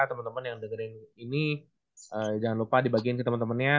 temen temen yang dengerin ini jangan lupa dibagiin ke temen temennya